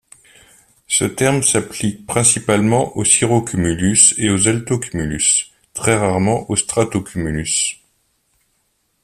Ce terme s'applique principalement aux cirrocumulus et aux altocumulus; très rarement aux stratocumulus.